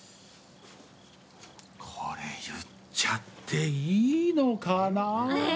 これ言っちゃっていいのかな。え？